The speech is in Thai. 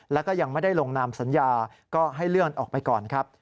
แล้วก็ยังไม่ได้ลงนามสัญญาก็ให้เลื่อนออกไปก่อนครับ